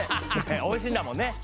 おいしいんだもんねっ。